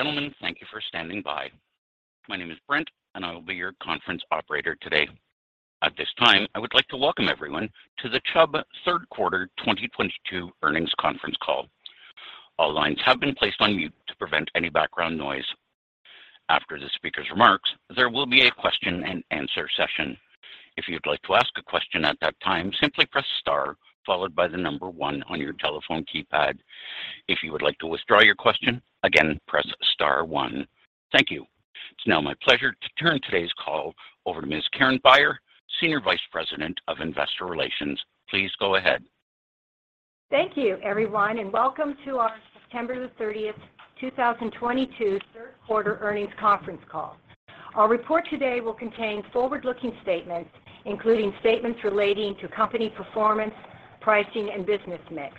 Ladies and gentlemen, thank you for standing by. My name is Brent, and I will be your conference operator today. At this time, I would like to welcome everyone to the Chubb Third Quarter 2022 Earnings Conference Call. All lines have been placed on mute to prevent any background noise. After the speaker's remarks, there will be a question and answer session. If you'd like to ask a question at that time, simply press star followed by the number one on your telephone keypad. If you would like to withdraw your question, again, press star one. Thank you. It's now my pleasure to turn today's call over to Ms. Karen Beyer, Senior Vice President of Investor Relations. Please go ahead. Thank you, everyone, and welcome to our September 30, 2022 third quarter earnings conference call. Our report today will contain forward-looking statements, including statements relating to company performance, pricing, and business mix,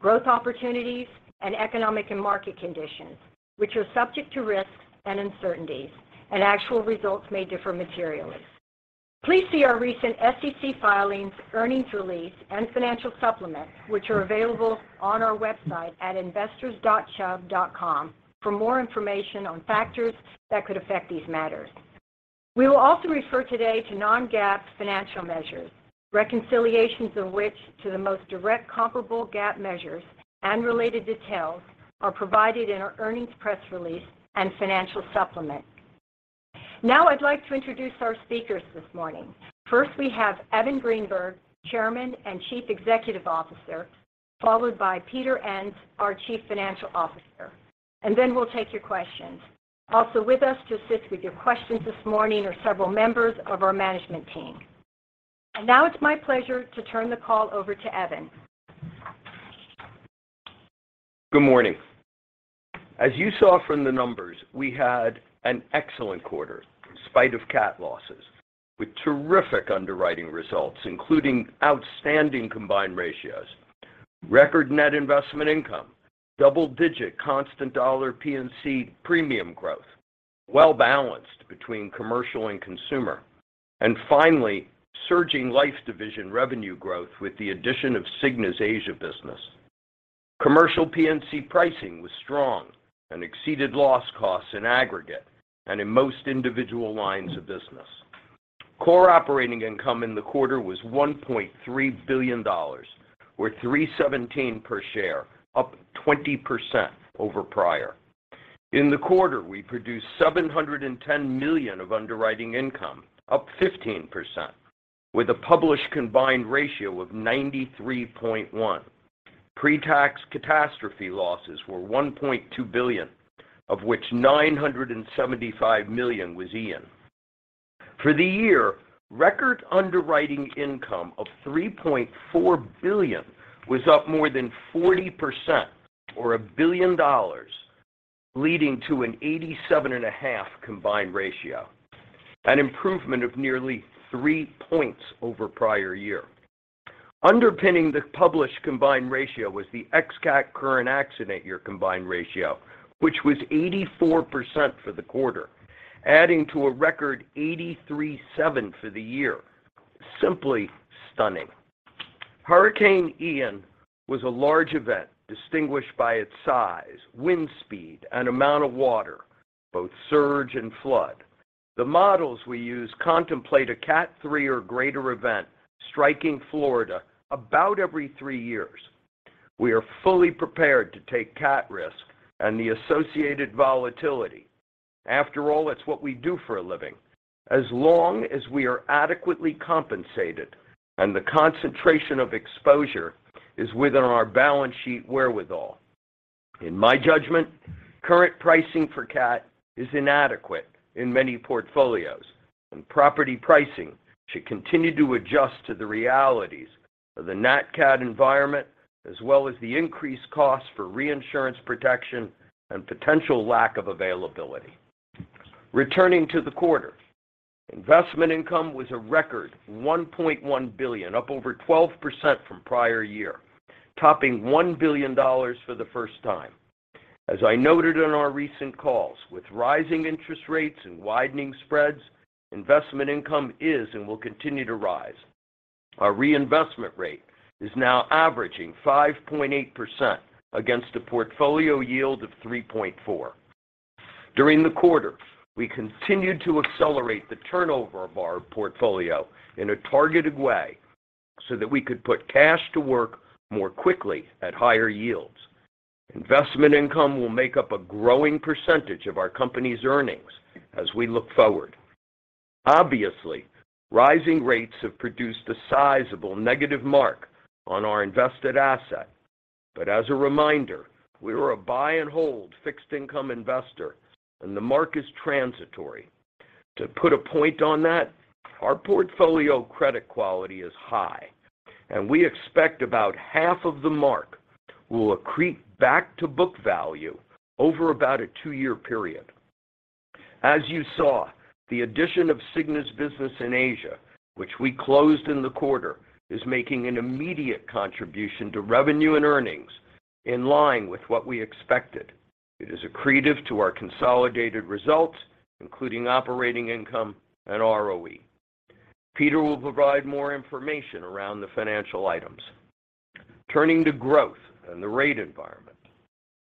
growth opportunities, and economic and market conditions, which are subject to risks and uncertainties, and actual results may differ materially. Please see our recent SEC filings, earnings release, and financial supplement, which are available on our website @investors.Chubb.com for more information on factors that could affect these matters. We will also refer today to non-GAAP financial measures, reconciliations of which to the most direct comparable GAAP measures and related details are provided in our earnings press release and financial supplement. Now I'd like to introduce our speakers this morning. First, we have Evan Greenberg, Chairman and Chief Executive Officer, followed by Peter Enns, our Chief Financial Officer. Then we'll take your questions. Also with us to assist with your questions this morning are several members of our management team. Now it's my pleasure to turn the call over to Evan. Good morning. As you saw from the numbers, we had an excellent quarter in spite of cat losses with terrific underwriting results, including outstanding combined ratios, record net investment income, double-digit constant dollar P&C premium growth, well-balanced between commercial and consumer, and finally, surging life division revenue growth with the addition of Cigna's Asia business. Commercial P&C pricing was strong and exceeded loss costs in aggregate and in most individual lines of business. Core operating income in the quarter was $1.3 billion, or 3.17 per share, up 20% over prior. In the quarter, we produced $710 million of underwriting income, up 15%, with a published combined ratio of 93.1. Pre-tax catastrophe losses were $1.2 billion, of which $975 million was Ian. For the year, record underwriting income of $3.4 billion was up more than 40% or $1 billion, leading to an 87.5 combined ratio, an improvement of nearly three points over prior year. Underpinning the published combined ratio was the ex-cat current accident year combined ratio, which was 84% for the quarter, adding to a record 83.7 for the year. Simply stunning. Hurricane Ian was a large event distinguished by its size, wind speed, and amount of water, both surge and flood. The models we use contemplate a Cat 3 or greater event striking Florida about every 3 years. We are fully prepared to take cat risk and the associated volatility. After all, it's what we do for a living as long as we are adequately compensated and the concentration of exposure is within our balance sheet wherewithal. In my judgment, current pricing for Cat is inadequate in many portfolios, and property pricing should continue to adjust to the realities of the net cat environment as well as the increased cost for reinsurance protection and potential lack of availability. Returning to the quarter, investment income was a record $1.1 billion, up over 12% from prior year, topping $1 billion for the first time. As I noted on our recent calls, with rising interest rates and widening spreads, investment income is and will continue to rise. Our reinvestment rate is now averaging 5.8% against a portfolio yield of 3.4%. During the quarter, we continued to accelerate the turnover of our portfolio in a targeted way so that we could put cash to work more quickly at higher yields. Investment income will make up a growing percentage of our company's earnings as we look forward. Obviously, rising rates have produced a sizable negative mark on our invested assets. As a reminder, we are a buy and hold fixed income investor, and the market is transitory. To put a point on that, our portfolio credit quality is high, and we expect about half of the mark will accrete back to book value over about a two-year period. As you saw, the addition of Cigna's business in Asia, which we closed in the quarter, is making an immediate contribution to revenue and earnings in line with what we expected. It is accretive to our consolidated results, including operating income and ROE. Peter will provide more information around the financial items. Turning to growth and the rate environment.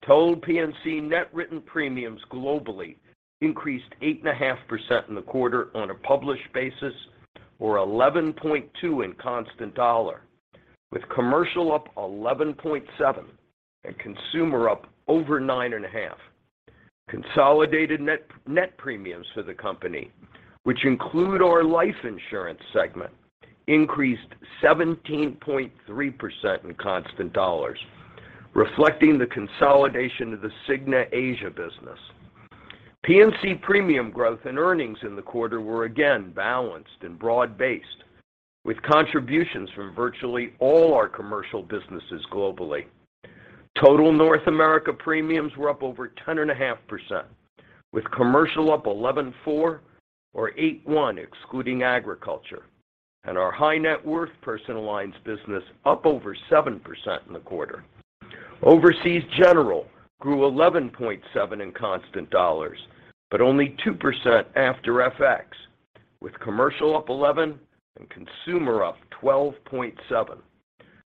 Total P&C net written premiums globally increased 8.5% in the quarter on a published basis or 11.2 in constant dollars, with commercial up 11.7% and consumer up over 9.5%. Consolidated net premiums for the company, which include our life insurance segment, increased 17.3% in constant dollars, reflecting the consolidation of the Cigna Asia business. P&C premium growth and earnings in the quarter were again balanced and broad-based, with contributions from virtually all our commercial businesses globally. Total North America premiums were up over 10.5%, with commercial up 11.4% or 8.1% excluding agriculture, and our high net worth personal lines business up over 7% in the quarter. Overseas General grew 11.7 in constant dollars, but only 2% after FX, with commercial up 11% and consumer up 12.7%.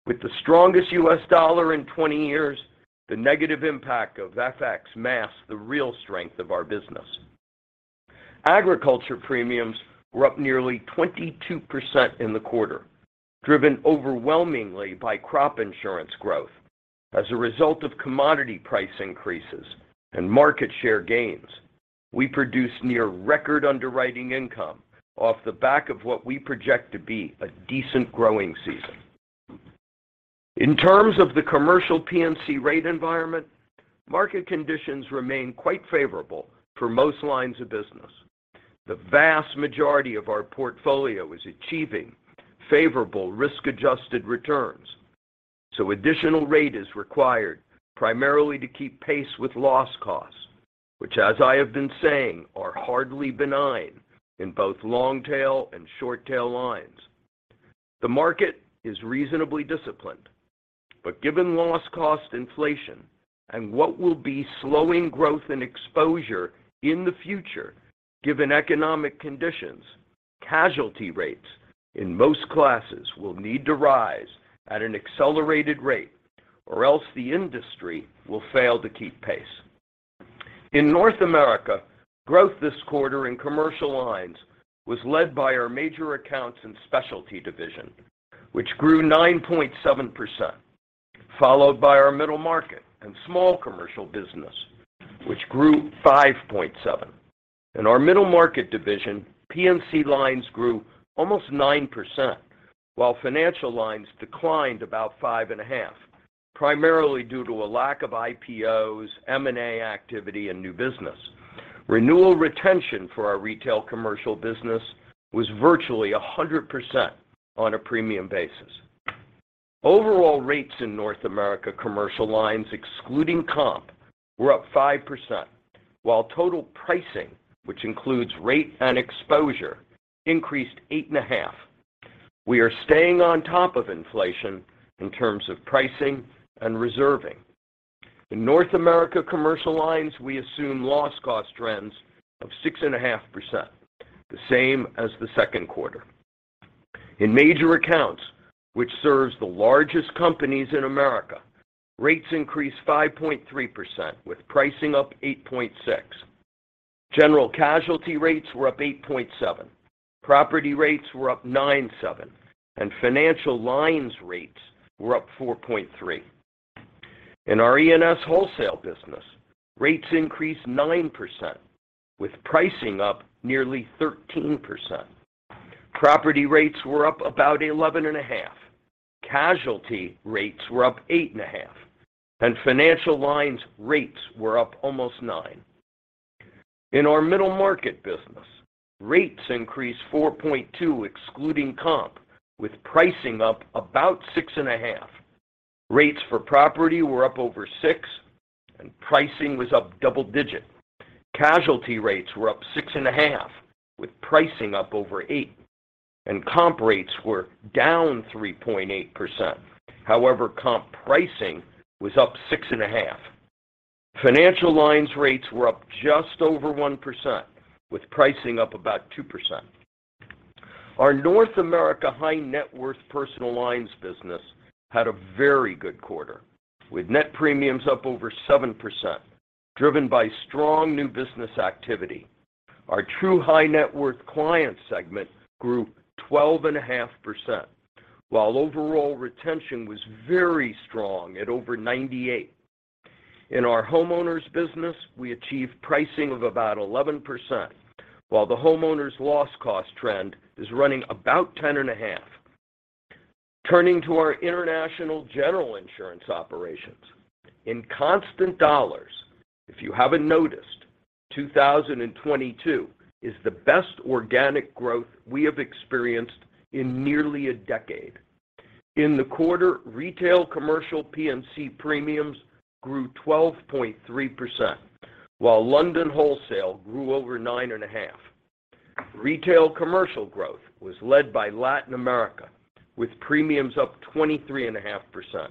With the strongest U.S. dollar in 20 years, the negative impact of FX masks the real strength of our business. Agriculture premiums were up nearly 22% in the quarter, driven overwhelmingly by crop insurance growth. As a result of commodity price increases and market share gains, we produced near record underwriting income off the back of what we project to be a decent growing season. In terms of the commercial P&C rate environment, market conditions remain quite favorable for most lines of business. The vast majority of our portfolio is achieving favorable risk-adjusted returns, so additional rate is required primarily to keep pace with loss costs, which as I have been saying, are hardly benign in both long-tail and short-tail lines. The market is reasonably disciplined, but given loss cost inflation and what will be slowing growth and exposure in the future, given economic conditions, casualty rates in most classes will need to rise at an accelerated rate or else the industry will fail to keep pace. In North America, growth this quarter in commercial lines was led by our major accounts and specialty division, which grew 9.7%, followed by our middle market and small commercial business, which grew 5.7%. In our middle market division, P&C lines grew almost 9%, while financial lines declined about 5.5%, primarily due to a lack of IPOs, M&A activity and new business. Renewal retention for our retail commercial business was virtually 100% on a premium basis. Overall rates in North America commercial lines excluding comp were up 5%, while total pricing, which includes rate and exposure, increased 8.5%. We are staying on top of inflation in terms of pricing and reserving. In North America commercial lines, we assume loss cost trends of 6.5%, the same as the second quarter. In major accounts, which serves the largest companies in America, rates increased 5.3% with pricing up 8.6%. General casualty rates were up 8.7%. Property rates were up 9.7%%, and financial lines rates were up 4.3. In our ENS wholesale business, rates increased 9% with pricing up nearly 13%. Property rates were up about 11.5%. Casualty rates were up 8.5%, and financial lines rates were up almost 9%. In our middle market business, rates increased 4.2% excluding comp with pricing up about 6.5%. Rates for property were up over 6% and pricing was up double-digit. Casualty rates were up 6.5% with pricing up over 8%, and comp rates were down 3.8%. However, comp pricing was up 6.5%. Financial lines rates were up just over 1% with pricing up about 2%. Our North America high net worth personal lines business had a very good quarter with net premiums up over 7% driven by strong new business activity. Our true high net worth client segment grew 12.5%, while overall retention was very strong at over 98%. In our homeowners business, we achieved pricing of about 11%, while the homeowners loss cost trend is running about 10.5%. Turning to our international general insurance operations. In constant dollars, if you haven't noticed, 2022 is the best organic growth we have experienced in nearly a decade. In the quarter, retail commercial P&C premiums grew 12.3%, while London wholesale grew over 9.5%. Retail commercial growth was led by Latin America with premiums up 23.5%,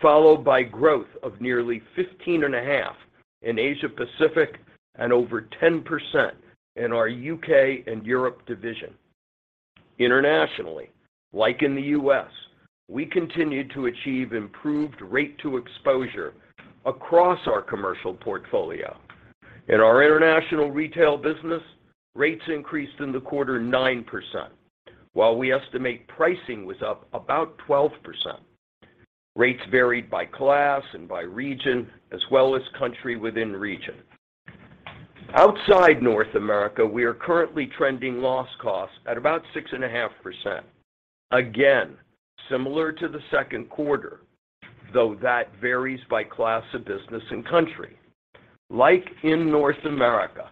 followed by growth of nearly 15.5% in Asia Pacific and over 10% in our UK and Europe division. Internationally, like in the US, we continued to achieve improved rate to exposure across our commercial portfolio. In our international retail business, rates increased in the quarter 9%, while we estimate pricing was up about 12%. Rates varied by class and by region as well as country within region. Outside North America, we are currently trending loss costs at about 6.5%. Again, similar to the Q2, though that varies by class of business and country. Like in North America,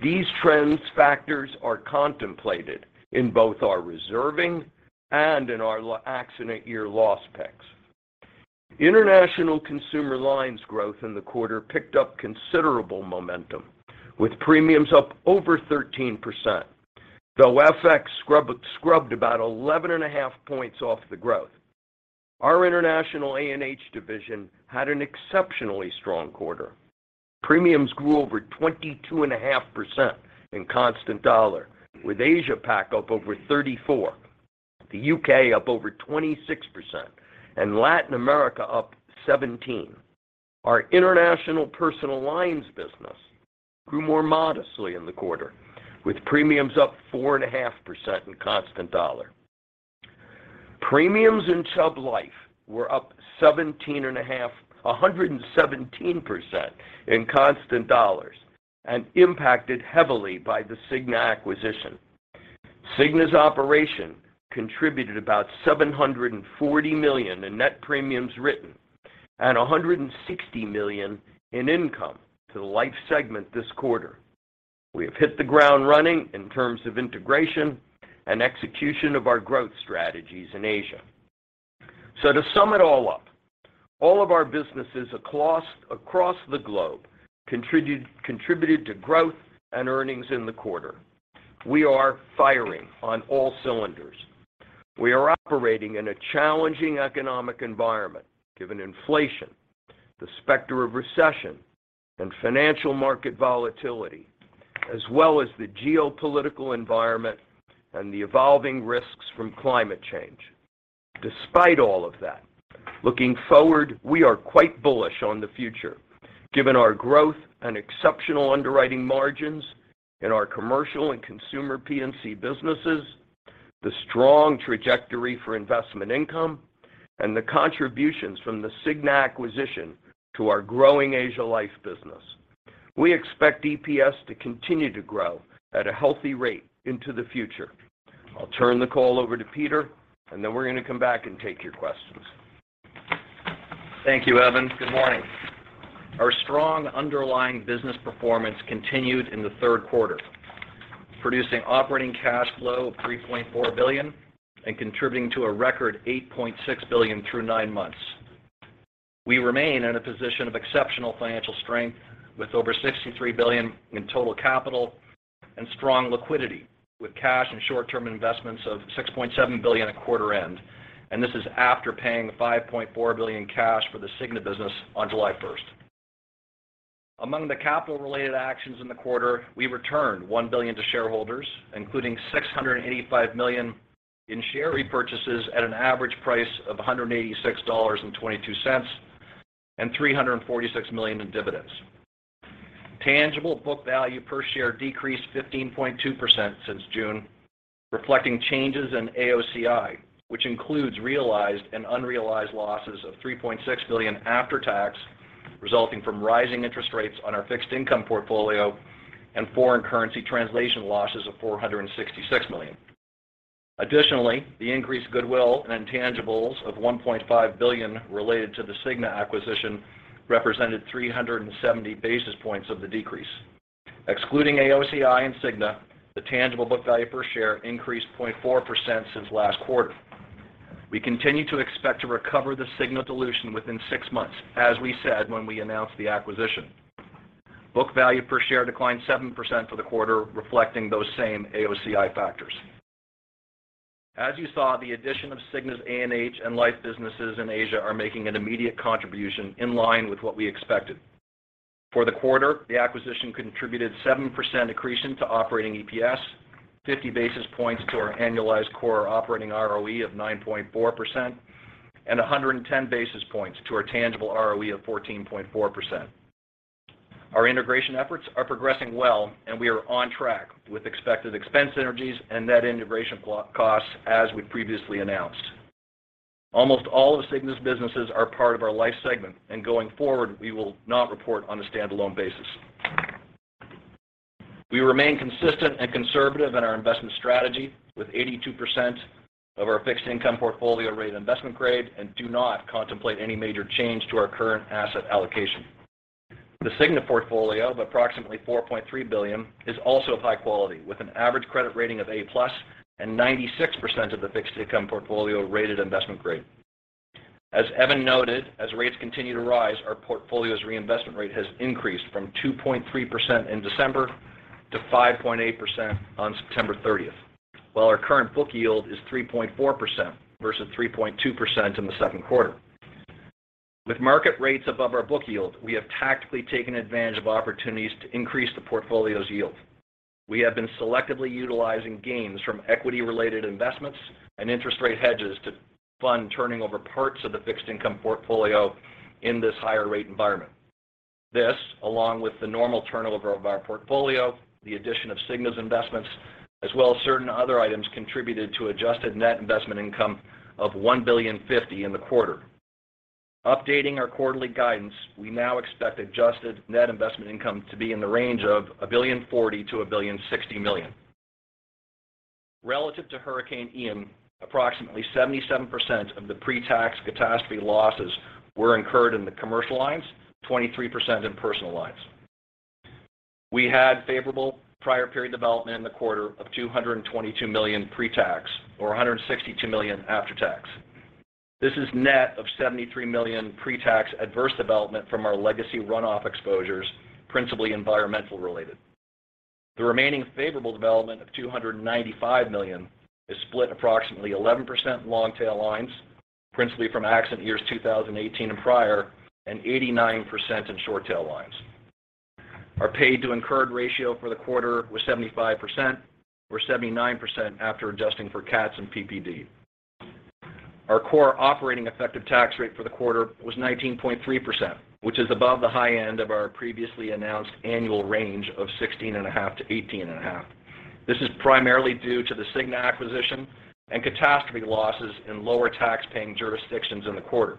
these trend factors are contemplated in both our reserving and in our accident year loss picks. International consumer lines growth in the quarter picked up considerable momentum, with premiums up over 13%, though FX scrubbed about 11.5 points off the growth. Our international A&H division had an exceptionally strong quarter. Premiums grew over 22.5% in constant dollar, with Asia Pac up over 34%, the UK up over 26%, and Latin America up 17%. Our international personal lines business grew more modestly in the quarter, with premiums up 4.5% in constant dollar. Premiums in Chubb Life were up 17.5%, 117% in constant dollars and impacted heavily by the Cigna acquisition. Cigna's operation contributed about $740 million in net premiums written and $160 million in income to the life segment this quarter. We have hit the ground running in terms of integration and execution of our growth strategies in Asia. To sum it all up, all of our businesses across the globe contributed to growth and earnings in the quarter. We are firing on all cylinders. We are operating in a challenging economic environment, given inflation, the specter of recession, and financial market volatility, as well as the geopolitical environment and the evolving risks from climate change. Despite all of that, looking forward, we are quite bullish on the future, given our growth and exceptional underwriting margins in our commercial and consumer P&C businesses, the strong trajectory for investment income, and the contributions from the Cigna acquisition to our growing Asia Life business. We expect EPS to continue to grow at a healthy rate into the future. I'll turn the call over to Peter, and then we're going to come back and take your questions. Thank you, Evan. Good morning. Our strong underlying business performance continued in the Q3, producing operating cash flow of $3.4 billion and contributing to a record $8.6 billion through nine months. We remain in a position of exceptional financial strength with over $63 billion in total capital and strong liquidity with cash and short-term investments of $6.7 billion at quarter end. This is after paying the $5.4 billion cash for the Cigna business on July 1st. Among the capital-related actions in the quarter, we returned $1 billion to shareholders, including $685 million in share repurchases at an average price of $186.22 and $346 million in dividends. Tangible book value per share decreased 15.2% since June, reflecting changes in AOCI, which includes realized and unrealized losses of $3.6 billion after tax resulting from rising interest rates on our fixed income portfolio and foreign currency translation losses of $466 million. Additionally, the increased goodwill and intangibles of $1.5 billion related to the Cigna acquisition represented 370 basis points of the decrease. Excluding AOCI and Cigna, the tangible book value per share increased 0.4% since last quarter. We continue to expect to recover the Cigna dilution within six months, as we said when we announced the acquisition. Book value per share declined 7% for the quarter, reflecting those same AOCI factors. As you saw, the addition of Cigna's A&H and life businesses in Asia are making an immediate contribution in line with what we expected. For the quarter, the acquisition contributed 7% accretion to operating EPS, 50 basis points to our annualized core operating ROE of 9.4%, and 110 basis points to our tangible ROE of 14.4%. Our integration efforts are progressing well, and we are on track with expected expense synergies and net integration costs as we previously announced. Almost all of Cigna's businesses are part of our life segment, and going forward, we will not report on a standalone basis. We remain consistent and conservative in our investment strategy, with 82% of our fixed income portfolio rated investment grade and do not contemplate any major change to our current asset allocation. The Cigna portfolio of approximately $4.3 billion is also of high quality, with an average credit rating of A+ and 96% of the fixed income portfolio rated investment grade. As Evan noted, as rates continue to rise, our portfolio's reinvestment rate has increased from 2.3% in December to 5.8% on September 30th, while our current book yield is 3.4% versus 3.2% in the Q2. With market rates above our book yield, we have tactically taken advantage of opportunities to increase the portfolio's yield. We have been selectively utilizing gains from equity-related investments and interest rate hedges to fund turning over parts of the fixed income portfolio in this higher rate environment. This, along with the normal turnover of our portfolio, the addition of Cigna's investments, as well as certain other items, contributed to adjusted net investment income of $1.05 billion in the quarter. Updating our quarterly guidance, we now expect adjusted net investment income to be in the range of $1.04-$1.06 billion. Relative to Hurricane Ian, approximately 77% of the pre-tax catastrophe losses were incurred in the commercial lines, 23% in personal lines. We had favorable prior period development in the quarter of $222 million pre-tax or $162 million after-tax. This is net of $73 million pre-tax adverse development from our legacy runoff exposures, principally environmental related. The remaining favorable development of $295 million is split approximately 11% long-tail lines, principally from accident years 2018 and prior, and 89% in short tail lines. Our paid to incurred ratio for the quarter was 75% or 79% after adjusting for CATS and PPD. Our core operating effective tax rate for the quarter was 19.3%, which is above the high end of our previously announced annual range of 16.5-18.5. This is primarily due to the Cigna acquisition and catastrophe losses in lower tax paying jurisdictions in the quarter.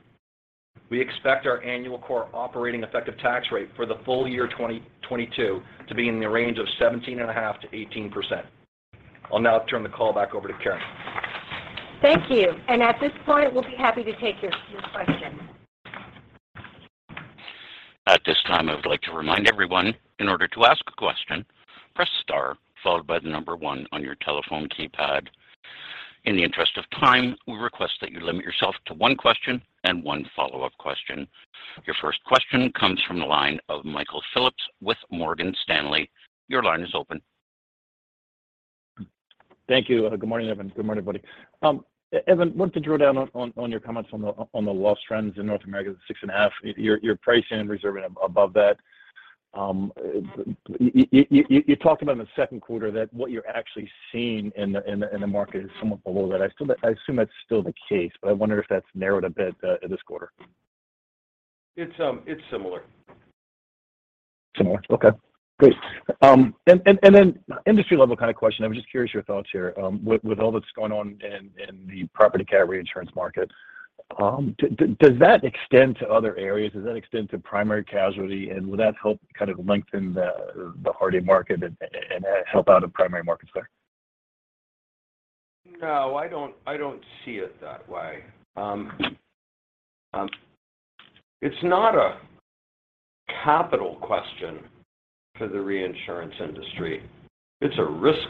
We expect our annual core operating effective tax rate for the full year 2022 to be in the range of 17.5-18%. I'll now turn the call back over to Karen. Thank you. At this point, we'll be happy to take your questions. At this time, I would like to remind everyone, in order to ask a question, press star followed by the number one on your telephone keypad. In the interest of time, we request that you limit yourself to one question and one follow-up question. Your first question comes from the line of Michael Phillips with Morgan Stanley. Your line is open. Thank you. Good morning, Evan. Good morning, everybody. Evan, wanted to drill down on your comments on the loss trends in North America, the 6.5%, your pricing and reserving above that. You talked about in the second quarter that what you're actually seeing in the market is somewhat below that. I still assume that's still the case, but I wonder if that's narrowed a bit in this quarter. It's similar. Similar. Okay, great. Industry level kind of question. I'm just curious your thoughts here. With all that's going on in the property cat reinsurance market, does that extend to other areas? Does that extend to primary casualty? Will that help kind of lengthen the hard market and help out in primary markets there? No, I don't see it that way. It's not a capital question for the reinsurance industry. It's a risk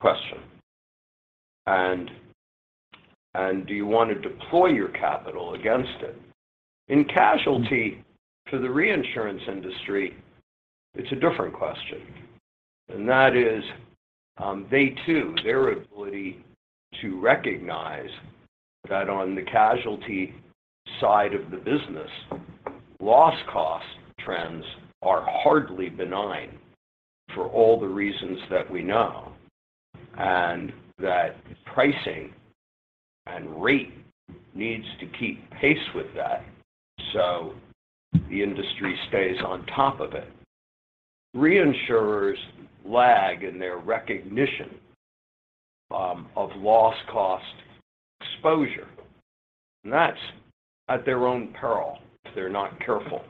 question. Do you want to deploy your capital against it? In casualty to the reinsurance industry, it's a different question, and that is, they too, their ability to recognize that on the casualty side of the business, loss cost trends are hardly benign for all the reasons that we know, and that pricing and rate needs to keep pace with that so the industry stays on top of it. Reinsurers lag in their recognition of loss cost exposure, and that's at their own peril if they're not careful.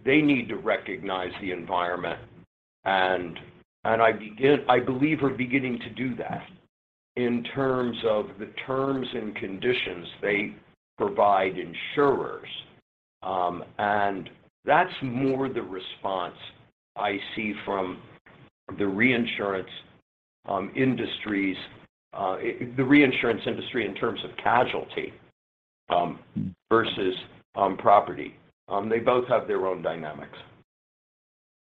They need to recognize the environment. I believe we're beginning to do that in terms of the terms and conditions they provide insurers. That's more the response I see from the reinsurance industry in terms of casualty, versus, property. They both have their own dynamics.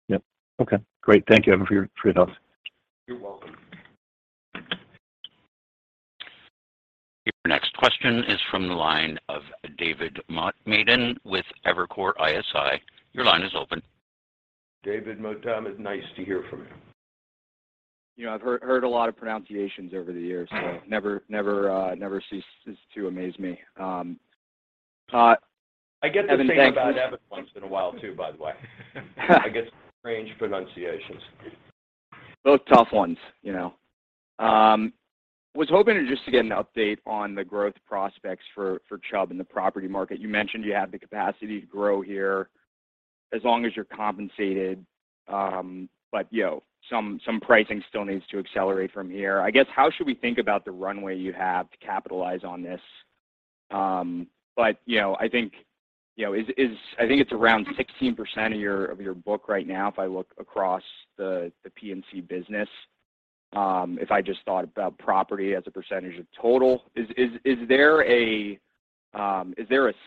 Yep. Okay. Great. Thank you, Evan, for your thoughts. You're welcome. Your next question is from the line of David Motemaden with Evercore ISI. Your line is open. David Motemaden, nice to hear from you. You know, I've heard a lot of pronunciations over the years, so never ceases to amaze me. Evan, thank you. I get the same about Evan once in a while, too, by the way. I get strange pronunciations. Both tough ones, you know. Was hoping just to get an update on the growth prospects for Chubb in the property market. You mentioned you have the capacity to grow here as long as you're compensated, but you know, some pricing still needs to accelerate from here. I guess, how should we think about the runway you have to capitalize on this? You know, I think, you know, I think it's around 16% of your book right now if I look across the P&C business, if I just thought about property as a percentage of total. Is there a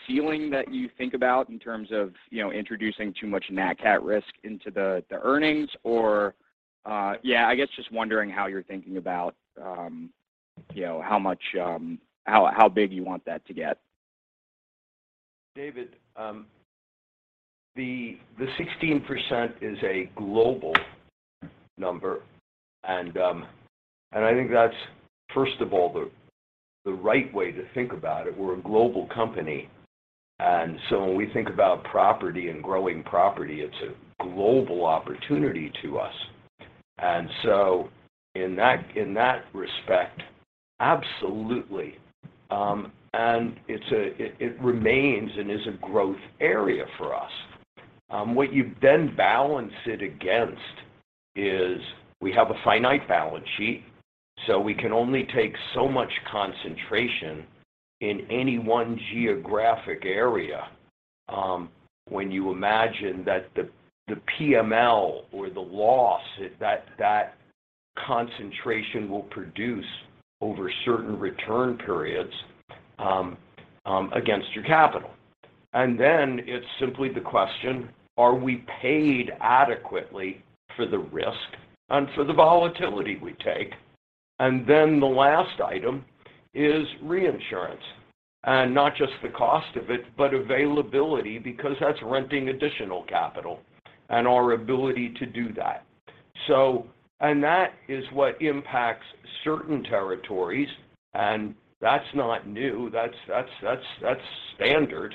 ceiling that you think about in terms of, you know, introducing too much nat cat risk into the earnings? Yeah, I guess just wondering how you're thinking about, you know, how much, how big you want that to get. David, the 16% is a global number, and I think that's first of all the right way to think about it. We're a global company, so when we think about property and growing property, it's a global opportunity to us. In that respect, absolutely. It remains and is a growth area for us. What you then balance it against is we have a finite balance sheet, so we can only take so much concentration in any one geographic area, when you imagine that the PML or the loss that concentration will produce over certain return periods, against your capital. Then it's simply the question, are we paid adequately for the risk and for the volatility we take? The last item is reinsurance, and not just the cost of it, but availability because that's renting additional capital and our ability to do that. That is what impacts certain territories, and that's not new. That's standard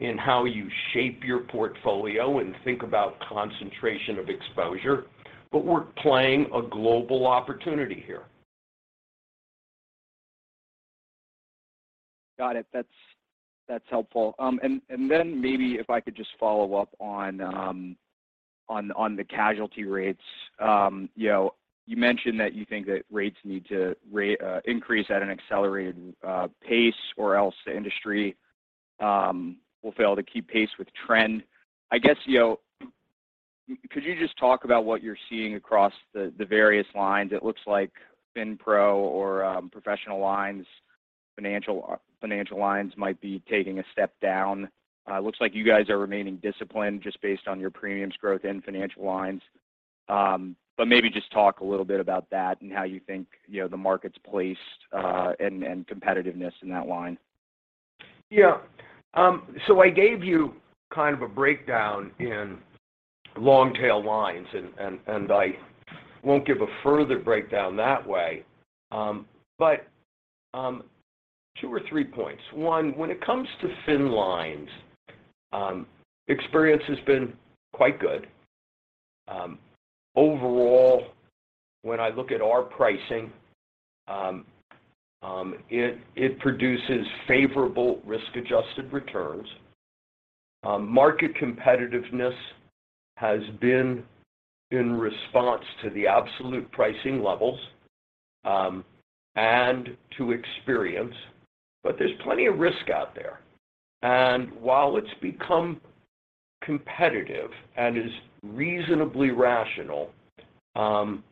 in how you shape your portfolio and think about concentration of exposure. We're playing a global opportunity here. Got it. That's helpful. Maybe if I could just follow up on the casualty rates. You know, you mentioned that you think that rates need to increase at an accelerated pace or else the industry will fail to keep pace with trend. I guess, you know, could you just talk about what you're seeing across the various lines? It looks like FinPro or professional lines, financial lines might be taking a step down. It looks like you guys are remaining disciplined just based on your premiums growth in financial lines. Maybe just talk a little bit about that and how you think, you know, the market's placed, and competitiveness in that line. I gave you kind of a breakdown in long-tail lines and I won't give a further breakdown that way. Two or three points. One, when it comes to Fin lines, experience has been quite good. Overall, when I look at our pricing, it produces favorable risk-adjusted returns. Market competitiveness has been in response to the absolute pricing levels and to experience, but there's plenty of risk out there. While it's become competitive and is reasonably rational, it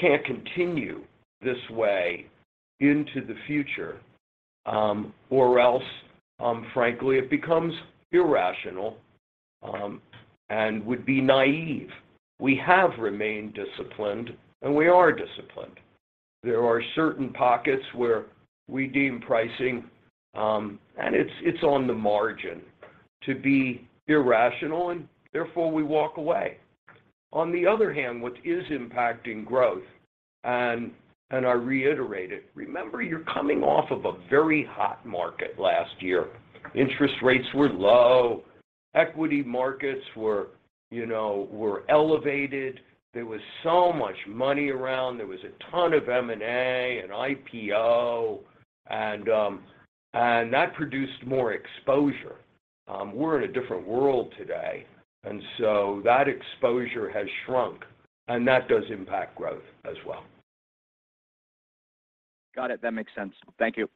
can't continue this way into the future, or else, frankly, it becomes irrational and would be naive. We have remained disciplined, and we are disciplined. There are certain pockets where we deem pricing and it's on the margin to be irrational, and therefore we walk away. On the other hand, what is impacting growth, and I reiterate it, remember you're coming off of a very hot market last year. Interest rates were low. Equity markets were, you know, elevated. There was so much money around. There was a ton of M&A and IPO and that produced more exposure. We're in a different world today, and so that exposure has shrunk, and that does impact growth as well. Got it. That makes sense. Thank you.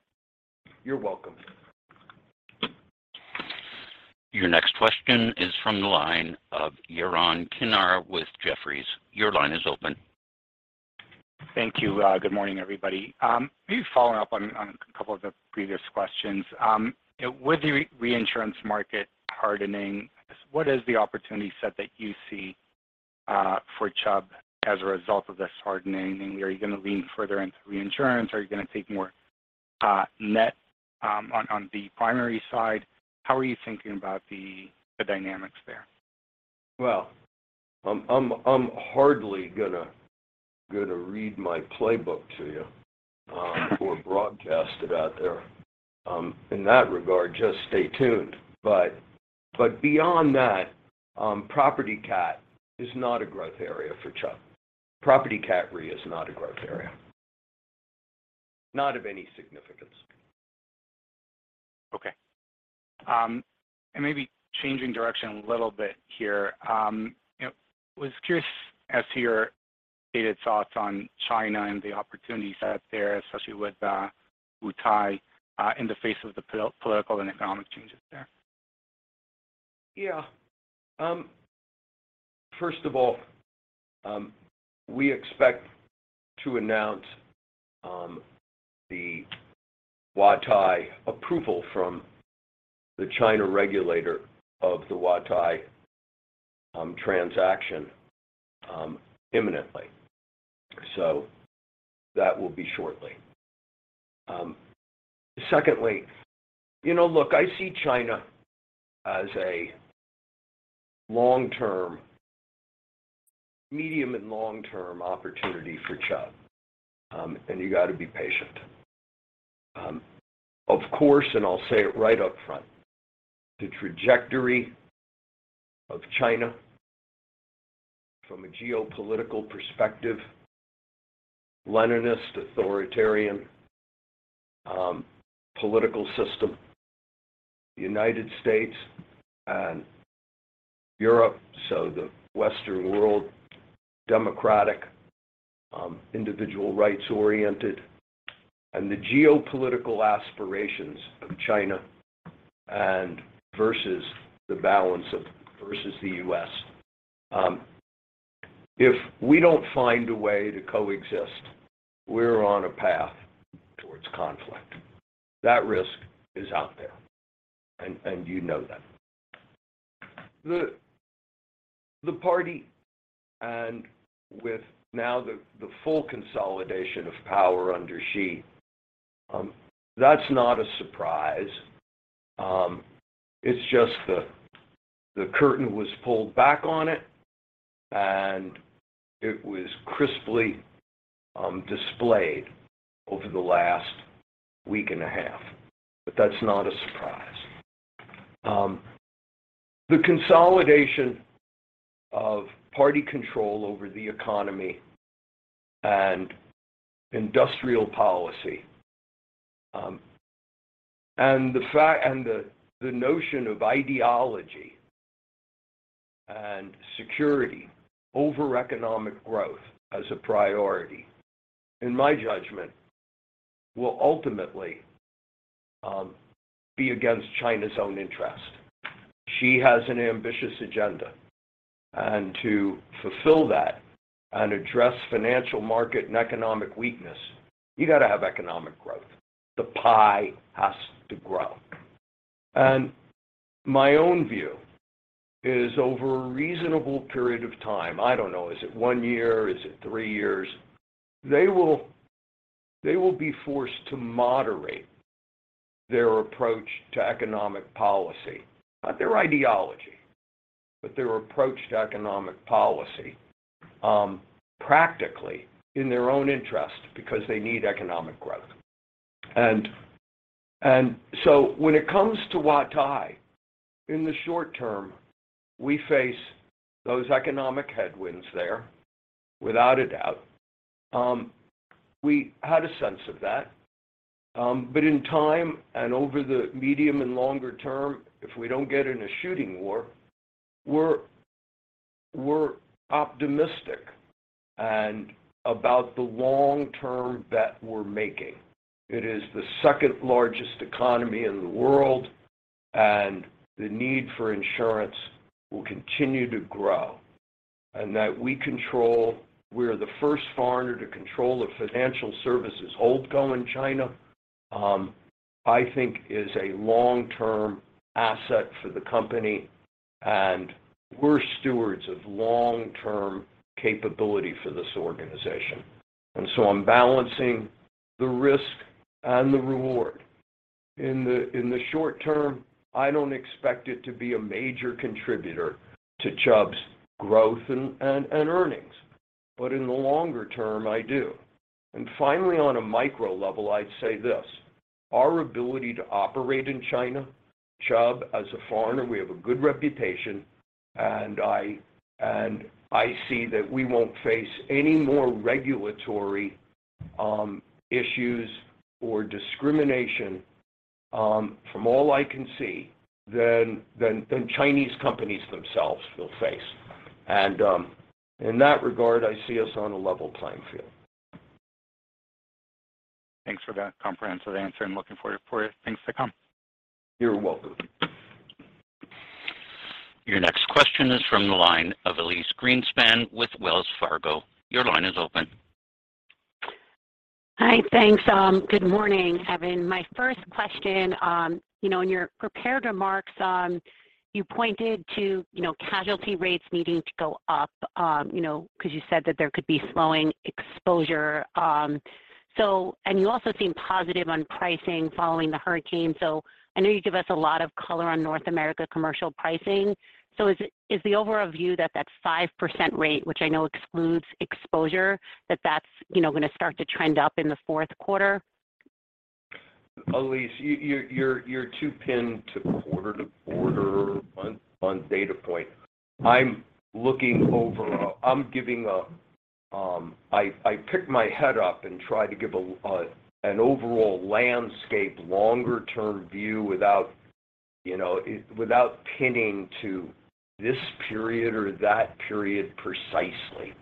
You're welcome. Your next question is from the line of Yaron Kinar with Jefferies. Your line is open. Thank you. Good morning, everybody. Maybe following up on a couple of the previous questions. With the reinsurance market hardening, what is the opportunity set that you see for Chubb as a result of this hardening? And are you gonna lean further into reinsurance? Are you gonna take more net on the primary side? How are you thinking about the dynamics there? Well, I'm hardly gonna read my playbook to you, or broadcast it out there. In that regard, just stay tuned. Beyond that, property cat is not a growth area for Chubb. Property cat re is not a growth area. Not of any significance. Okay. Maybe changing direction a little bit here. Was curious as to your stated thoughts on China and the opportunity set there, especially with Huatai, in the face of the political and economic changes there. Yeah. First of all, we expect to announce the Huatai approval from the China regulator of the Huatai transaction imminently. That will be shortly. Secondly, you know, look, I see China as a long-term, medium and long-term opportunity for Chubb, and you got to be patient. Of course, I'll say it right up front, the trajectory of China from a geopolitical perspective, Leninist, authoritarian political system, United States and Europe, so the Western world, democratic, individual rights-oriented, and the geopolitical aspirations of China versus the U.S. If we don't find a way to coexist, we're on a path towards conflict. That risk is out there and you know that. The party and with now the full consolidation of power under Xi, that's not a surprise. It's just the curtain was pulled back on it, and it was crisply displayed over the last week and a half. That's not a surprise. The consolidation of party control over the economy and industrial policy, and the notion of ideology and security over economic growth as a priority, in my judgment, will ultimately be against China's own interest. Xi has an ambitious agenda, and to fulfill that and address financial market and economic weakness, you got to have economic growth. The pie has to grow. My own view is over a reasonable period of time, I don't know, is it one year? Is it three years? They will be forced to moderate their approach to economic policy. Not their ideology, but their approach to economic policy, practically in their own interest because they need economic growth. When it comes to Huatai, in the short term, we face those economic headwinds there without a doubt. We had a sense of that. In time and over the medium and longer term, if we don't get in a shooting war, we're optimistic about the long-term bet we're making. It is the second-largest economy in the world, and the need for insurance will continue to grow. That we control, we're the first foreigner to control a financial services holding company in China, I think, is a long-term asset for the company, and we're stewards of long-term capability for this organization. I'm balancing the risk and the reward. In the short term, I don't expect it to be a major contributor to Chubb's growth and earnings. In the longer term, I do. Finally, on a micro level, I'd say this. Our ability to operate in China, Chubb as a foreigner, we have a good reputation, and I see that we won't face any more regulatory issues or discrimination, from all I can see than Chinese companies themselves will face. In that regard, I see us on a level playing field. Thanks for that comprehensive answer and looking forward for things to come. You're welcome. Your next question is from the line of Elyse Greenspan with Wells Fargo. Your line is open. Hi. Thanks. Good morning, Evan. My first question, you know, in your prepared remarks, you pointed to, you know, casualty rates needing to go up, you know, because you said that there could be slowing exposure. You also seem positive on pricing following the hurricane. I know you give us a lot of color on North America commercial pricing. Is the overall view that 5% rate, which I know excludes exposure, that's, you know, going to start to trend up in the Q4? Elyse, you're too pinned to quarter to quarter on data point. I'm giving a I pick my head up and try to give an overall landscape longer-term view without, you know, without pinning to this period or that period precisely.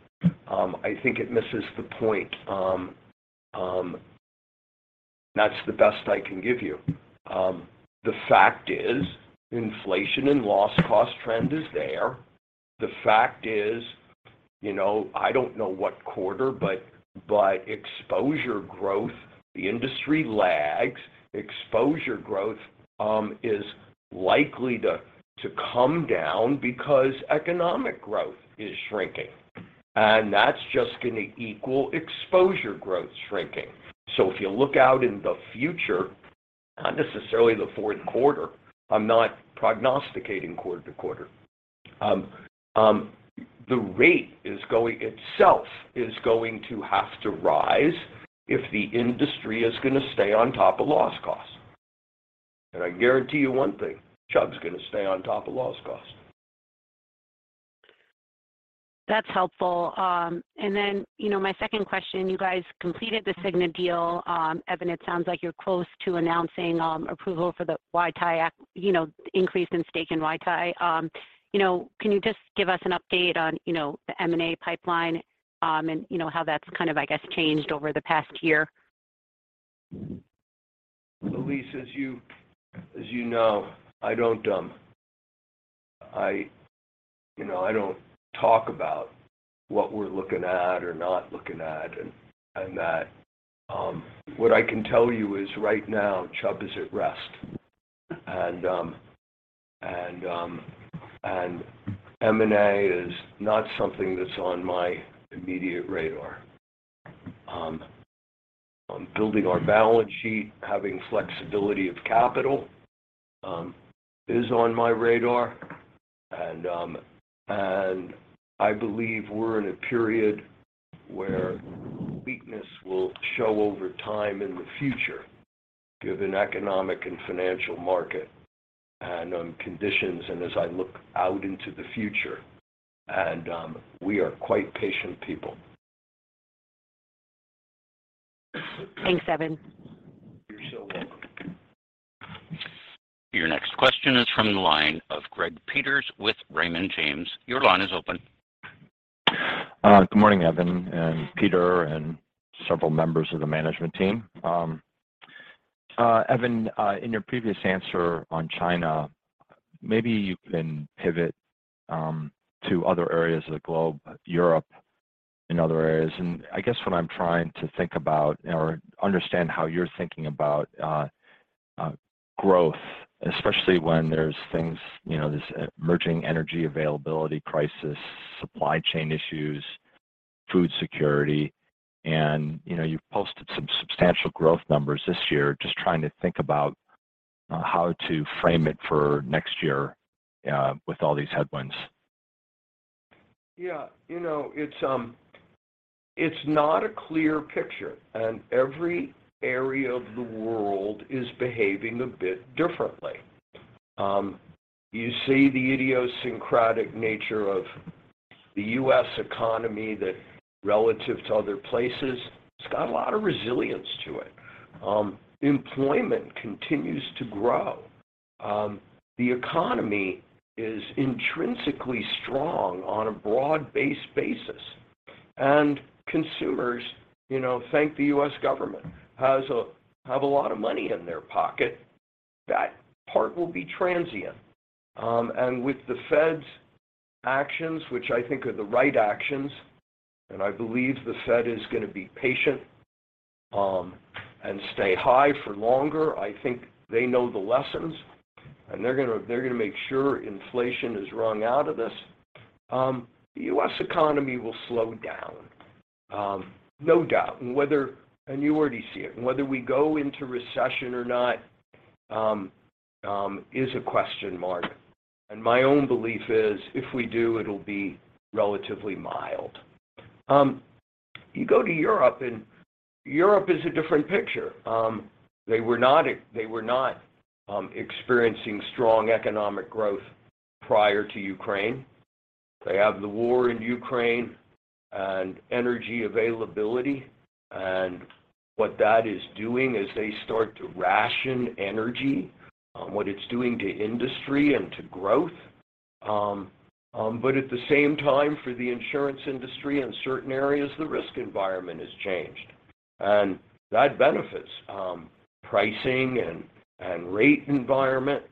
I think it misses the point. That's the best I can give you. The fact is inflation and loss cost trend is there. The fact is, you know, I don't know what quarter, but exposure growth, the industry lags. Exposure growth is likely to come down because economic growth is shrinking, and that's just gonna equal exposure growth shrinking. If you look out in the future, not necessarily the Q4, I'm not prognosticating quarter to quarter. The rate itself is going to have to rise if the industry is gonna stay on top of loss costs. I guarantee you one thing, Chubb is gonna stay on top of loss costs. That's helpful. You know, my second question, you guys completed the Cigna deal. Evan, it sounds like you're close to announcing approval for the Huatai acquisition, you know, increase in stake in Huatai. You know, can you just give us an update on, you know, the M&A pipeline, and you know how that's kind of, I guess, changed over the past year? Elyse, as you know, I don't talk about what we're looking at or not looking at. What I can tell you is right now Chubb is at rest. M&A is not something that's on my immediate radar. Building our balance sheet, having flexibility of capital, is on my radar. I believe we're in a period where weakness will show over time in the future given economic and financial market and conditions and as I look out into the future. We are quite patient people. Thanks, Evan. You're so welcome. Your next question is from the line of Greg Peters with Raymond James. Your line is open. Good morning, Evan and Peter and several members of the management team. Evan, in your previous answer on China, maybe you can pivot to other areas of the globe, Europe and other areas. I guess what I'm trying to think about or understand how you're thinking about growth, especially when there's things, you know, this emerging energy availability crisis, supply chain issues, food security. You know, you've posted some substantial growth numbers this year. Just trying to think about how to frame it for next year with all these headwinds. Yeah, you know, it's not a clear picture, and every area of the world is behaving a bit differently. You see the idiosyncratic nature of the U.S. economy that relative to other places, it's got a lot of resilience to it. Employment continues to grow. The economy is intrinsically strong on a broad-based basis. Consumers, you know, thanks to the U.S. government, have a lot of money in their pocket. That part will be transient. With the Fed's actions, which I think are the right actions, and I believe the Fed is going to be patient, and stay high for longer. I think they know the lessons, and they're gonna make sure inflation is wrung out of this. The U.S. economy will slow down, no doubt. You already see it. Whether we go into recession or not is a question mark. My own belief is if we do, it'll be relatively mild. You go to Europe, and Europe is a different picture. They were not experiencing strong economic growth prior to Ukraine. They have the war in Ukraine and energy availability. What that is doing is they start to ration energy, what it's doing to industry and to growth. At the same time, for the insurance industry in certain areas, the risk environment has changed. That benefits pricing and rate environment.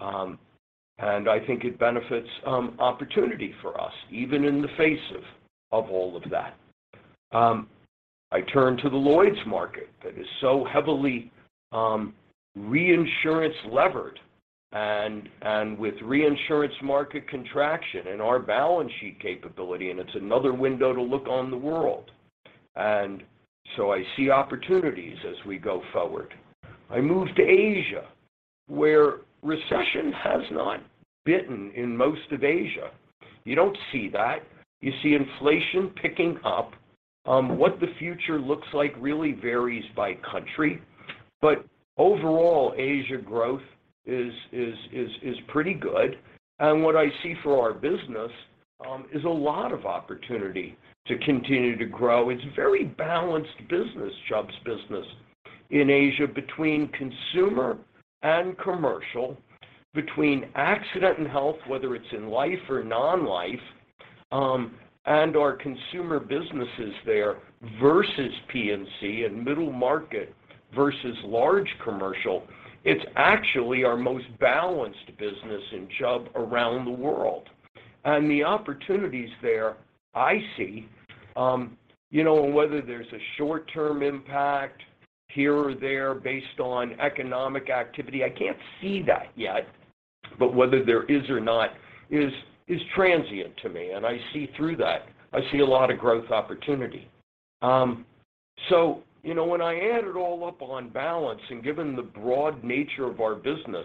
I think it benefits opportunity for us, even in the face of all of that. I turn to the Lloyd's market that is so heavily reinsurance levered and with reinsurance market contraction and our balance sheet capability, and it's another window to look on the world. I see opportunities as we go forward. I move to Asia, where recession has not bitten in most of Asia. You don't see that. You see inflation picking up. What the future looks like really varies by country. Overall, Asia growth is pretty good. What I see for our business is a lot of opportunity to continue to grow. It's very balanced business, Chubb's business in Asia between consumer and commercial, between accident and health, whether it's in life or non-life. Our consumer businesses there versus P&C and middle market versus large commercial, it's actually our most balanced business in Chubb around the world. The opportunities there I see, you know, and whether there's a short-term impact here or there based on economic activity, I can't see that yet. Whether there is or not is transient to me, and I see through that. I see a lot of growth opportunity. You know, when I add it all up on balance and given the broad nature of our business,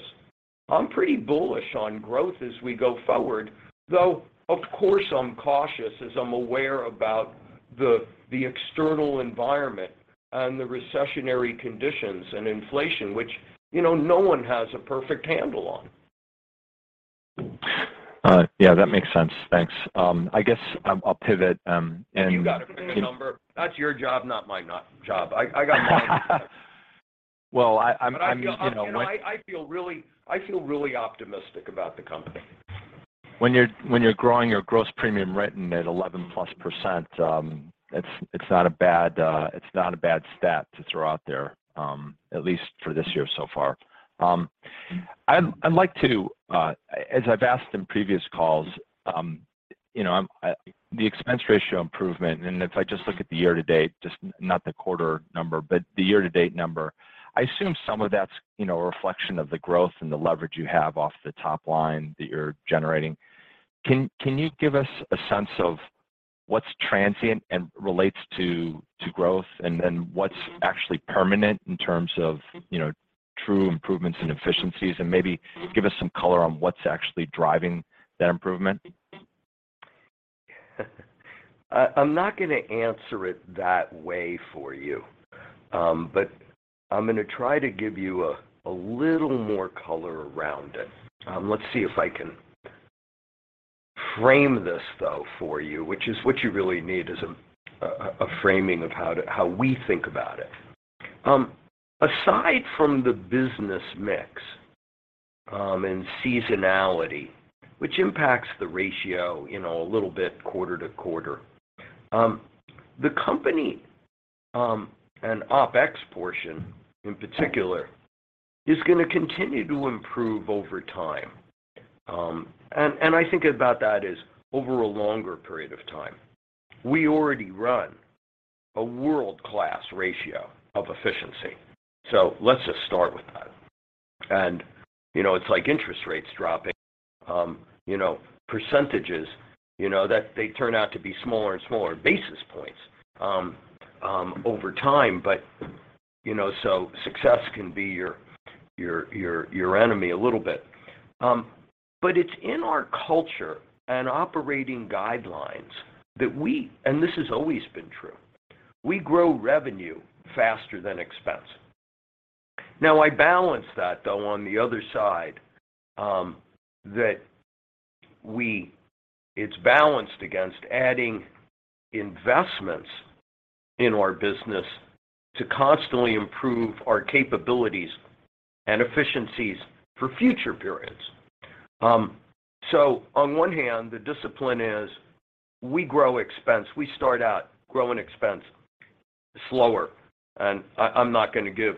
I'm pretty bullish on growth as we go forward. Though, of course, I'm cautious as I'm aware about the external environment and the recessionary conditions and inflation, which, you know, no one has a perfect handle on. Yeah, that makes sense. Thanks. I guess I'll pivot. You got a number. That's your job, not my job. I got mine. Well, I'm, you know, when I feel really optimistic about the company. When you're growing your gross premium written at 11%+, it's not a bad stat to throw out there, at least for this year so far. I'd like to, as I've asked in previous calls, you know, the expense ratio improvement, and if I just look at the year-to-date, just not the quarter number, but the year-to-date number, I assume some of that's, you know, a reflection of the growth and the leverage you have off the top line that you're generating. Can you give us a sense of what's transient and relates to growth, and then what's actually permanent in terms of, you know, true improvements in efficiencies? Maybe give us some color on what's actually driving that improvement. I'm not going to answer it that way for you. I'm going to try to give you a little more color around it. Let's see if I can frame this, though, for you, which is what you really need is a framing of how we think about it. Aside from the business mix and seasonality, which impacts the ratio, you know, a little bit quarter to quarter, the company and OpEx portion in particular, is going to continue to improve over time. I think about that as over a longer period of time. We already run a world-class ratio of efficiency. Let's just start with that. You know, it's like interest rates dropping, you know, percentages, you know, that they turn out to be smaller and smaller basis points over time. You know, success can be your enemy a little bit. It's in our culture and operating guidelines that we and this has always been true. We grow revenue faster than expense. Now, I balance that, though, on the other side, it's balanced against adding investments in our business to constantly improve our capabilities and efficiencies for future periods. On one hand, the discipline is we grow expense. We start out growing expense slower, and I'm not going to give,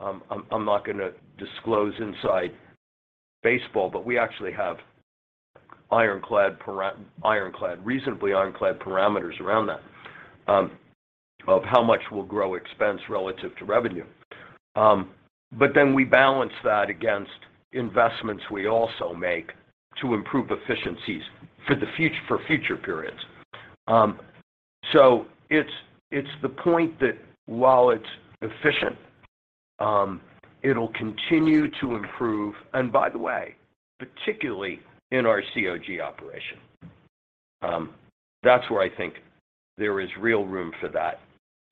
I'm not going to disclose inside baseball, but we actually have ironclad, reasonably ironclad parameters around that, of how much we'll grow expense relative to revenue. Then we balance that against investments we also make to improve efficiencies for future periods. It's the point that while it's efficient, it'll continue to improve, and by the way, particularly in our COG operation. That's where I think there is real room for that.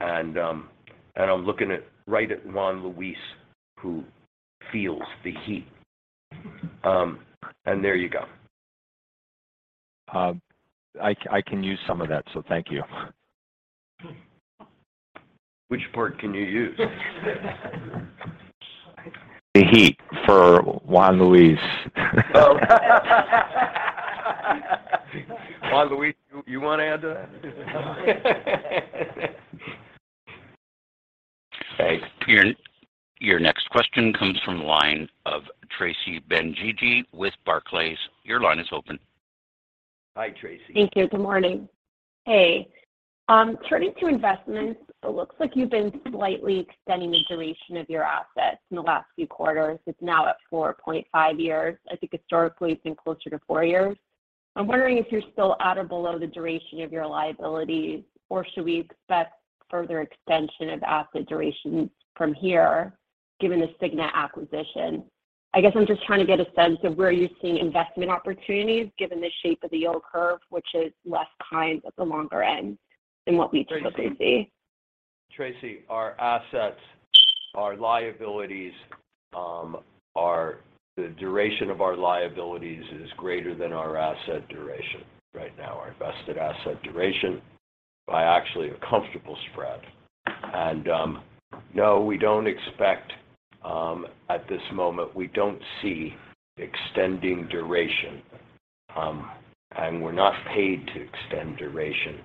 I'm looking right at Juan Luis, who feels the heat. There you go. I can use some of that, so thank you. Which part can you use? The heat for Juan Luis. Oh. Juan Luis, you want to add to that? Thanks. Your next question comes from the line of Tracy Benguigui with Barclays. Your line is open. Hi, Tracy. Thank you. Good morning. Hey, turning to investments, it looks like you've been slightly extending the duration of your assets in the last few quarters. It's now at 4.5 years. I think historically, it's been closer to four years. I'm wondering if you're still at or below the duration of your liabilities, or should we expect further extension of asset duration from here given the Cigna acquisition? I guess I'm just trying to get a sense of where you're seeing investment opportunities given the shape of the yield curve, which is less kind at the longer end than what we typically see. Tracy, our assets, our liabilities, the duration of our liabilities is greater than our asset duration right now, our invested asset duration, by actually a comfortable spread. No, we don't expect. At this moment, we don't see extending duration. We're not paid to extend duration,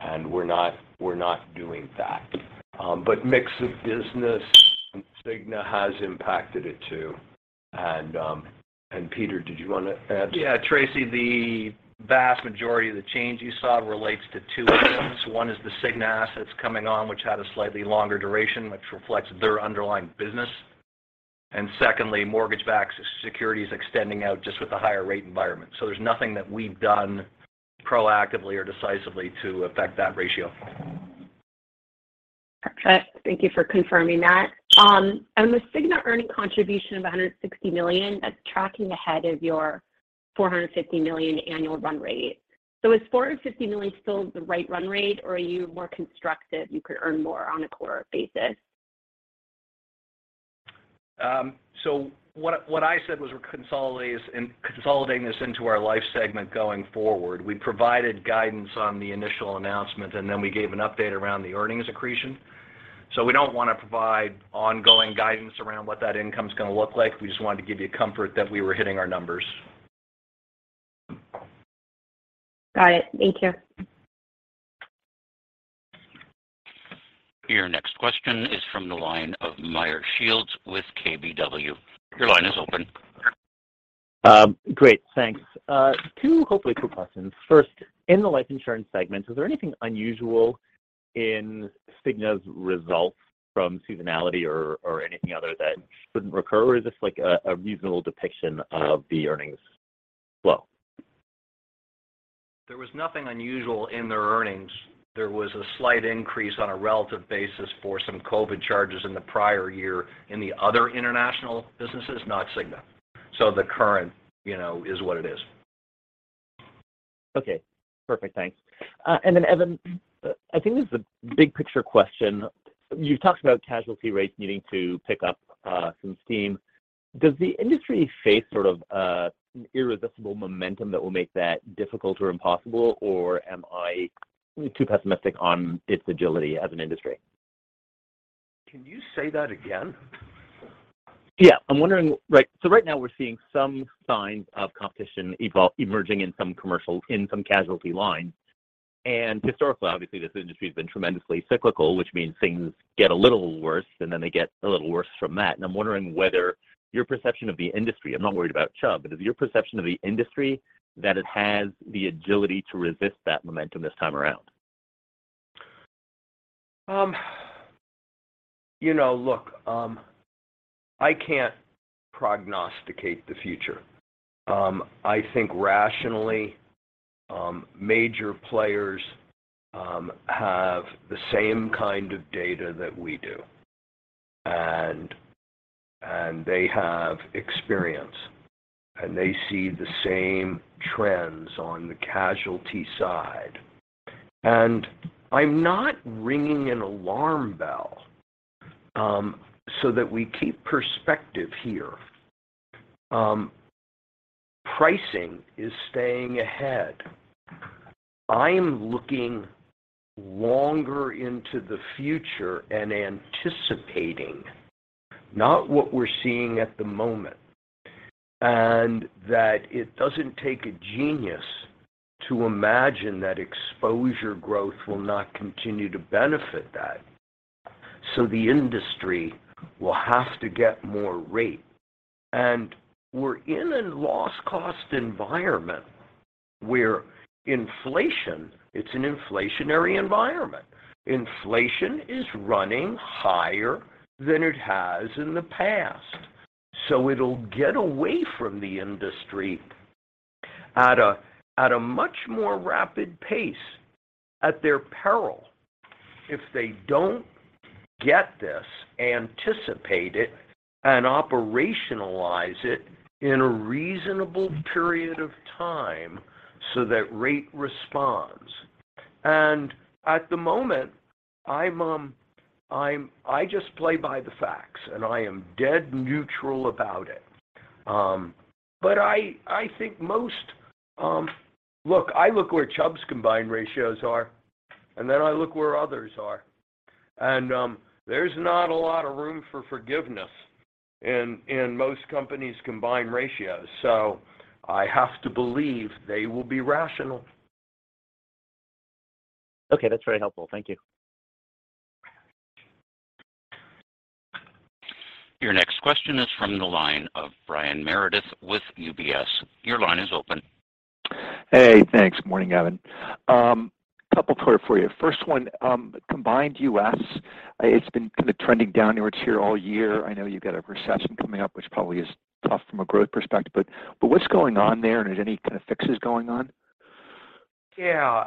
and we're not doing that. Mix of business and Cigna has impacted it, too. Peter, did you want to add? Yeah. Tracy, the vast majority of the change you saw relates to two items. One is the Cigna assets coming on, which had a slightly longer duration, which reflects their underlying business. And secondly, mortgage-backed securities extending out just with the higher rate environment. There's nothing that we've done proactively or decisively to affect that ratio. Perfect. Thank you for confirming that. On the Cigna earnings contribution of $160 million, that's tracking ahead of your $450 million annual run rate. Is $450 million still the right run rate, or are you more constructive you could earn more on a quarter basis? What I said was we're consolidating this into our life segment going forward. We provided guidance on the initial announcement, and then we gave an update around the earnings accretion. We don't want to provide ongoing guidance around what that income is going to look like. We just wanted to give you comfort that we were hitting our numbers. Got it. Thank you. Your next question is from the line of Meyer Shields with KBW. Your line is open. Great. Thanks. Two hopefully quick questions. First, in the life insurance segment, was there anything unusual in Cigna's results from seasonality or anything other that couldn't recur, or is this like a reasonable depiction of the earnings flow? There was nothing unusual in their earnings. There was a slight increase on a relative basis for some COVID charges in the prior year in the other international businesses, not Cigna. The current, you know, is what it is. Okay. Perfect. Thanks. Evan, I think this is a big picture question. You've talked about casualty rates needing to pick up some steam. Does the industry face sort of an irresistible momentum that will make that difficult or impossible, or am I too pessimistic on its agility as an industry? Can you say that again? Yeah. I'm wondering. Right, so right now we're seeing some signs of competition emerging in some commercial casualty lines. Historically, obviously, this industry has been tremendously cyclical, which means things get a little worse, and then they get a little worse from that. I'm wondering whether your perception of the industry. I'm not worried about Chubb, but is it your perception of the industry that it has the agility to resist that momentum this time around? You know, look, I can't prognosticate the future. I think rationally, major players have the same kind of data that we do. They have experience, and they see the same trends on the casualty side. I'm not ringing an alarm bell, so that we keep perspective here. Pricing is staying ahead. I'm looking longer into the future and anticipating, not what we're seeing at the moment, and that it doesn't take a genius to imagine that exposure growth will not continue to benefit that. The industry will have to get more rate. We're in a loss cost environment where inflation, it's an inflationary environment. Inflation is running higher than it has in the past. It'll get away from the industry at a much more rapid pace at their peril if they don't get this, anticipate it, and operationalize it in a reasonable period of time so that rate responds. At the moment, I just play by the facts, and I am dead neutral about it. I think most. Look, I look where Chubb's combined ratios are, and then I look where others are. There's not a lot of room for forgiveness in most companies' combined ratios. I have to believe they will be rational. Okay. That's very helpful. Thank you. Your next question is from the line of Brian Meredith with UBS. Your line is open. Hey, thanks. Morning, Evan. A couple questions for you. First one, Combined U.S., it's been kind of trending downward here all year. I know you've got a recession coming up, which probably is tough from a growth perspective, but what's going on there, and are there any kind of fixes going on? Yeah.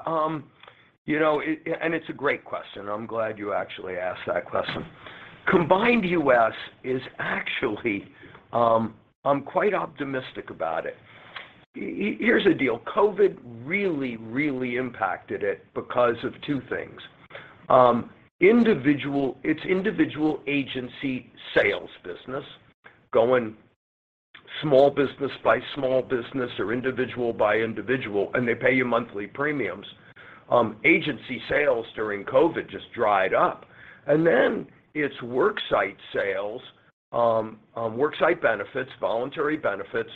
You know, it's a great question. I'm glad you actually asked that question. Combined Insurance is actually, I'm quite optimistic about it. Here's the deal. COVID really impacted it because of two things. Its individual agency sales business going small business by small business or individual by individual, and they pay you monthly premiums. Agency sales during COVID just dried up. Then it's work site sales, work site benefits, voluntary benefits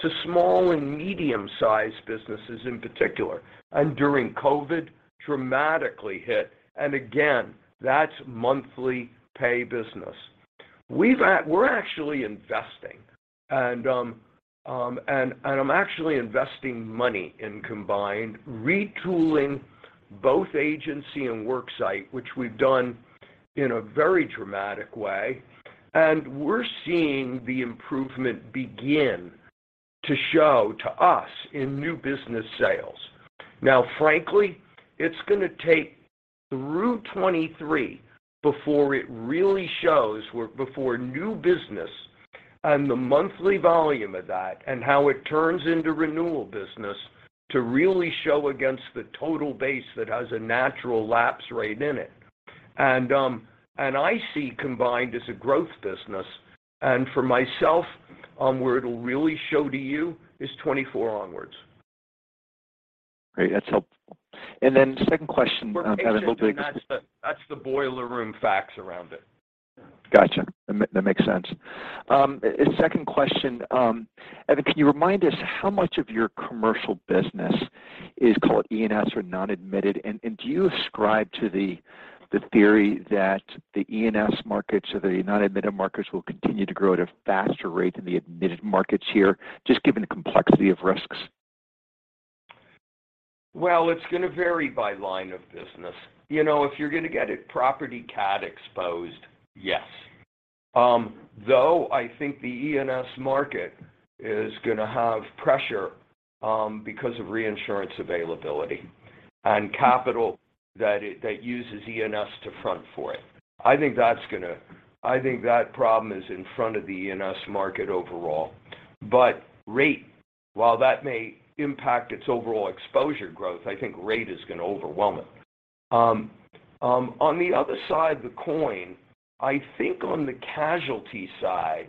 to small and medium-sized businesses in particular, and during COVID dramatically hit. Again, that's monthly pay business. We're actually investing, and I'm actually investing money in Combined retooling both agency and work site, which we've done in a very dramatic way, and we're seeing the improvement begin to show to us in new business sales. Now, frankly, it's gonna take through 2023 before it really shows where before new business and the monthly volume of that and how it turns into renewal business to really show against the total base that has a natural lapse rate in it. I see Combined as a growth business, and for myself, where it'll really show to you is 2024 onwards. Great. That's helpful. Second question, Evan, hoping- We're patient, and that's the boiler room facts around it. Gotcha. That makes sense. Second question, Evan, can you remind us how much of your commercial business is called ENS or non-admitted? Do you ascribe to the theory that the ENS markets or the non-admitted markets will continue to grow at a faster rate than the admitted markets here, just given the complexity of risks? Well, it's gonna vary by line of business. You know, if you're gonna get it property cat exposed, yes. Though, I think the ENS market is gonna have pressure because of reinsurance availability and capital that uses ENS to front for it. I think that problem is in front of the ENS market overall. Rate, while that may impact its overall exposure growth, I think rate is gonna overwhelm it. On the other side of the coin, I think on the casualty side,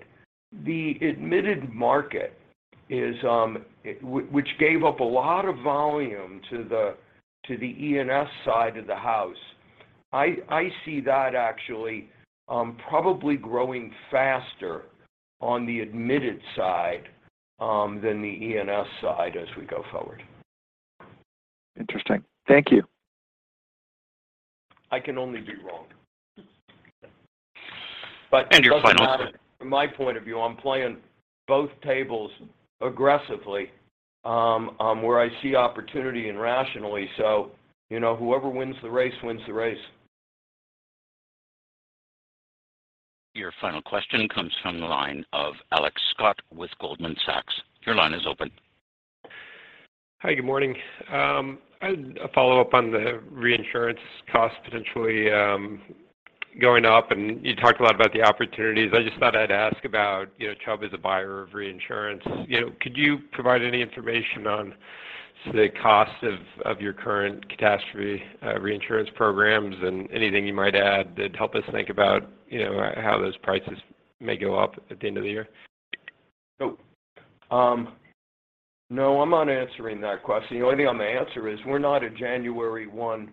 the admitted market is, which gave up a lot of volume to the ENS side of the house. I see that actually probably growing faster on the admitted side than the ENS side as we go forward. Interesting. Thank you. I can only be wrong. And your final Doesn't matter. From my point of view, I'm playing both tables aggressively, where I see opportunity and rationally. You know, whoever wins the race wins the race. Your final question comes from the line of Alex Scott with Goldman Sachs. Your line is open. Hi, good morning. I had a follow-up on the reinsurance cost potentially going up, and you talked a lot about the opportunities. I just thought I'd ask about, you know, Chubb as a buyer of reinsurance. You know, could you provide any information on the cost of your current catastrophe reinsurance programs and anything you might add that help us think about, you know, how those prices may go up at the end of the year? No, I'm not answering that question. The only thing I'm gonna answer is we're not a January one.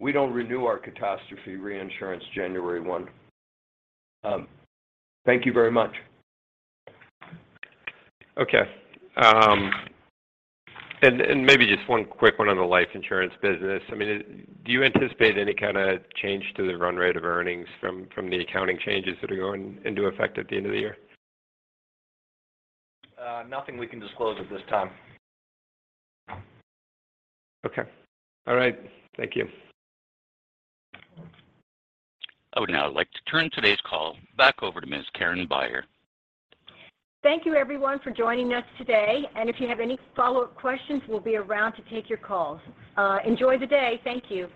We don't renew our catastrophe reinsurance January one. Thank you very much. Okay. Maybe just one quick one on the life insurance business. I mean, do you anticipate any kinda change to the run rate of earnings from the accounting changes that are going into effect at the end of the year? Nothing we can disclose at this time. Okay. All right. Thank you. I would now like to turn today's call back over to Ms. Karen Beyer. Thank you everyone for joining us today. If you have any follow-up questions, we'll be around to take your calls. Enjoy the day. Thank you.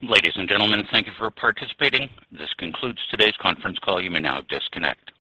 Ladies and gentlemen, thank you for participating. This concludes today's conference call. You may now disconnect.